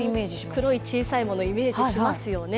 黒い小さいものをイメージしますよね。